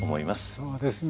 そうですね。